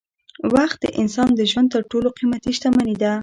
وخت د انسان د ژوند تر ټولو قېمتي شتمني ده.